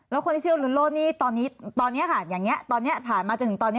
แล้วคนที่ชื่ออรุณโรดตอนนี้ผ่านมาจนถึงตอนนี้